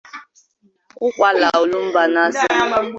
Ukwalla-Olumbanasa